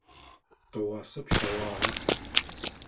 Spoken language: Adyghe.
Тыгъуасэ пщэгъуагъэ.